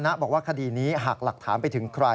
คือเขาเครียดจัดจริงนะ